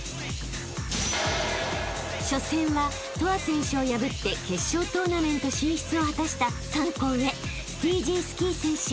［初戦はＴＯＡ選手を破って決勝トーナメント進出を果たした３個上Ｓｔｅｅｚｙｓｋｅｅ選手］